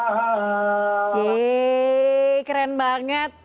yeay keren banget